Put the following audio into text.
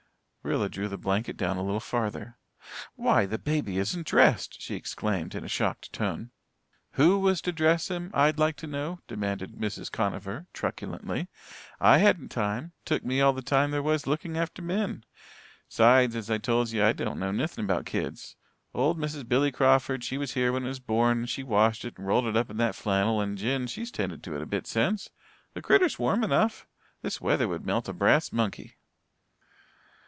Rilla drew the blanket down a little farther. "Why, the baby isn't dressed!" she exclaimed, in a shocked tone. "Who was to dress him I'd like to know," demanded Mrs. Conover truculently. "I hadn't time took me all the time there was looking after Min. 'Sides, as I told yez, I don't know nithing about kids. Old Mrs. Billy Crawford, she was here when it was born and she washed it and rolled it up in that flannel, and Jen she's tended it a bit since. The critter is warm enough. This weather would melt a brass monkey."